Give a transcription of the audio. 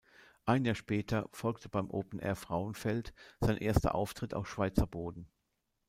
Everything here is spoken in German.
Ein Jahr später folgte beim Openair Frauenfeld sein erster Auftritt auf Schweizer Boden.